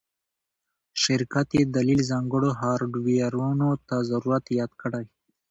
شرکت یی دلیل ځانګړو هارډویرونو ته ضرورت یاد کړی